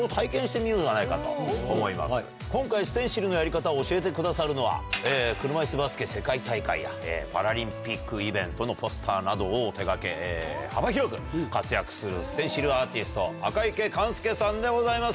今回ステンシルのやり方を教えてくださるのは車いすバスケ世界大会やパラリンピックイベントのポスターなどを手掛け幅広く活躍するステンシルアーティスト赤池完介さんでございます